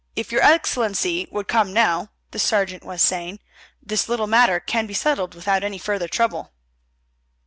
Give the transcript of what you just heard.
"If your Excellency would come now," the sergeant was saying, "this little matter can be settled without any further trouble."